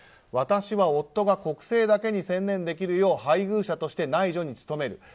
私は夫が国政だけに専念できるよう配偶者として内助に努める。